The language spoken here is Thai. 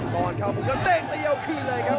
ก่อนเข้าปุ่มก็เต้นไปเอาคืนเลยครับ